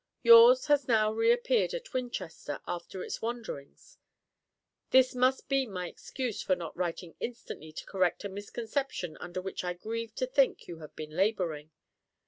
Yours has now reappeared at Winchester after its wanderings! This must be my excuse for not writing instantly to correct a misconception under which I grieve to think you have been labouring.